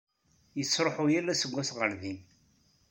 Netruḥu yal aseggas ɣer din.